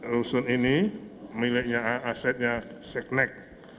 rusun ini miliknya asetnya seknek